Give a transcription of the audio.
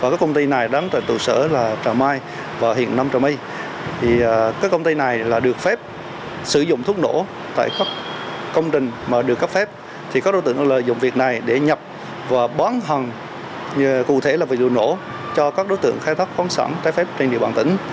các đối tượng tổ chức mua bán trái phép vật liệu nổ cho các đối tượng khai thác khoáng sản trái phép trên địa bàn tỉnh